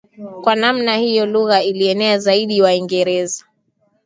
Kwa namna hiyo lugha ilienea zaidi Waingereza